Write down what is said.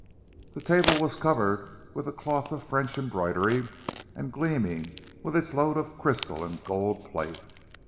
The table was covered with a cloth of French embroidery, and gleaming with its load of crystal and gold plate.